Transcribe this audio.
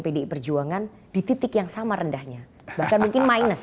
pdi perjuangan di titik yang sama rendahnya bahkan mungkin minus